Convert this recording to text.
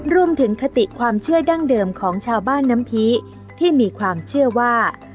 คติความเชื่อดั้งเดิมของชาวบ้านน้ำพีที่มีความเชื่อว่า